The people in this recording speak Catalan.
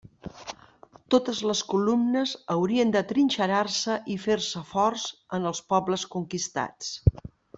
Totes les columnes haurien d'atrinxerar-se i fer-se forts en els pobles conquistats.